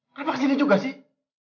kenapa ke sini juga sih